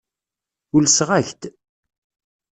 Ulseɣ-ak-d.